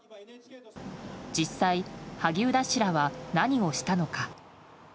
実際、萩生田氏らは何をしたのか。